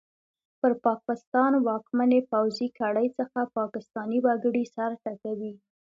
پر پاکستان واکمنې پوځي کړۍ څخه پاکستاني وګړي سر ټکوي!